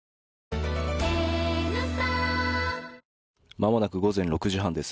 間もなく午前６時半です。